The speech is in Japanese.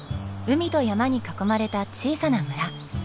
海と山に囲まれた小さな村。